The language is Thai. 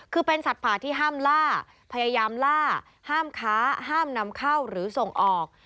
คือเป็นสัตว์ป่าที่ห้ามล่าพยายามล่าห้ามค้าห้ามนำเข้าหรือส่งออก